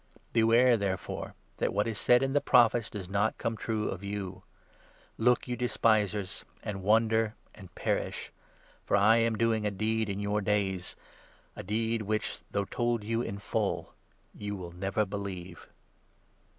Beware, therefore, that what is said in the Prophets does not 40 come true of you — 4 Look, you despisers, and wonder, and perish ; 41 For I am doing" a deed in your days — A deed which, though told you in full, you will never believe